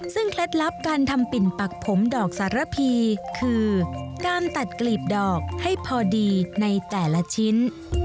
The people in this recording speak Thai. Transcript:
ซึ่งเคล็ดลับการทำปิ่นปักผมดอกสารพีคือการตัดกลีบดอกให้พอดีในแต่ละชิ้น